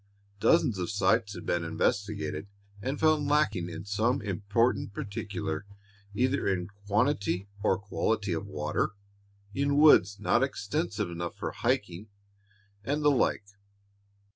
Dozens of sites had been investigated and found lacking in some important particular, either in quantity or quality of water, in woods not extensive enough for hiking, and the like.